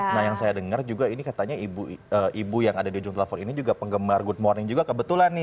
nah yang saya dengar juga ini katanya ibu yang ada di ujung telepon ini juga penggemar good morning juga kebetulan nih